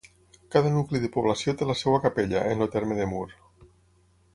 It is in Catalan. Cada nucli de població té la seva capella, en el terme de Mur.